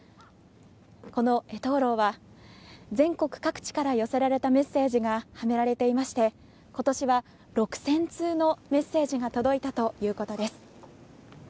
この絵灯篭は全国各地から寄せられたメッセージがはめられていまして今年は６０００通のメッセージが届いたということです。